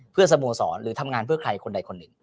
เพื่อสโมสรหรือทำงานเพื่อใครคนใดคนหนึ่ง